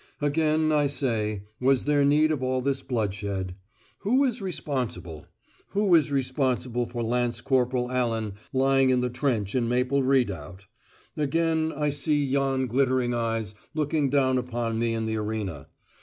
Again I say, was there need of all this bloodshed? Who is responsible? Who is responsible for Lance Corporal Allan lying in the trench in Maple Redoubt? Again I see yon glittering eyes looking down upon me in the arena.